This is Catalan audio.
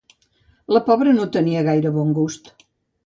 —La pobra no tenia gaire bon gust